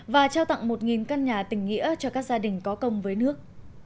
và trao tặng một căn nhà tình nghĩa cho các gia đình có công với nước